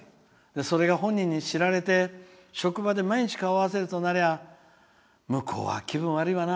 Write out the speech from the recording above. それが本人に知られて職場で毎日顔を合わせるとなりゃ向こうは気分悪いわな。